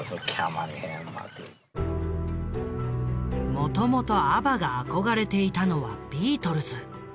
もともとＡＢＢＡが憧れていたのはビートルズ。